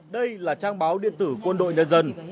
đây là trang báo điện tử quân đội nhân dân